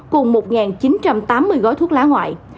cùng một chín trăm tám mươi gói thuốc lá ngoại